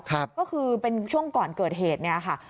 ก็คือเป็นช่วงก่อนเกิดเหตุเนี่ยค่ะ